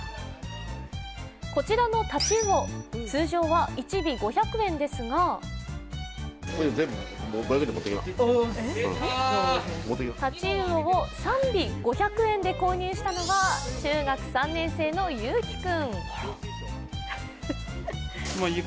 こちらの太刀魚、通常は１尾５００円ですが太刀魚を３尾５００円で購入したのは中学３年生のユウキ君。